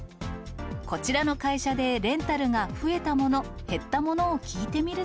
こちらの会社で、レンタルが増えたもの、減ったものを聞いてみる